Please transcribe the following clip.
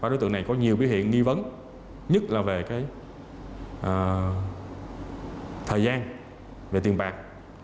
ba đối tượng này có nhiều biểu hiện nghi vấn nhất là về thời gian về tiền bạc